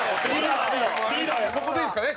ここでいいですかね？